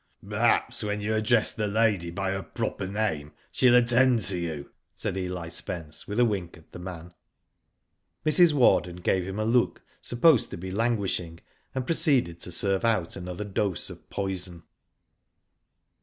" Perhaps when you address the lady by her proper name she'll attend to you," said EH Spence, with a wink at the man. Mrs. Warden gave him a look supposed to be languishing, and proceeded to serve out another dose of poison.